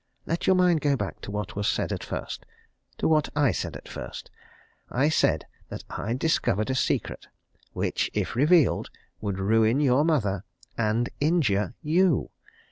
Let your mind go back to what was said at first to what I said at first. I said that I'd discovered a secret which, if revealed, would ruin your mother and injure you!